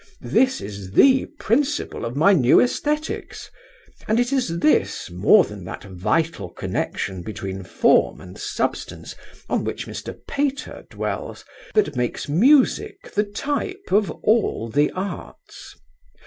This is the principle of my new æsthetics; and it is this, more than that vital connection between form and substance, on which Mr. Pater dwells, that makes music the type of all the arts.